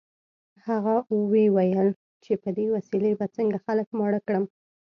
هغه ویې ویل چې په دې وسیلې به څنګه خلک ماړه کړم